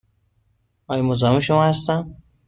آیا مزاحم شما هستم؟